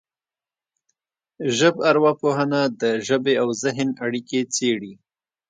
ژبارواپوهنه د ژبې او ذهن اړیکې څېړي